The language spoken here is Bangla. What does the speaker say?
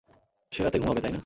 সে রাতে ঘুমাবে, তাই না?